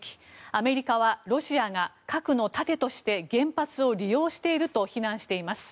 アメリカはロシアが核の盾として原発を利用していると非難しています。